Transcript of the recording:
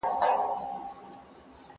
زه مخکي سندري اورېدلي وې!؟